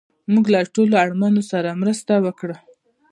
موږ له ټولو اړمنو سره مرسته وکړه